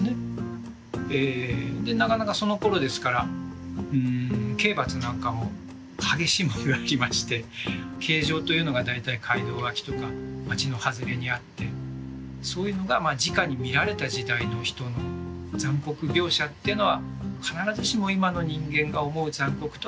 でなかなかそのころですから刑罰なんかも激しいものがありまして刑場というのが大体街道脇とか町の外れにあってそういうのがじかに見られた時代の人の残酷描写っていうのは必ずしも今の人間が思う残酷とはちょっと違う。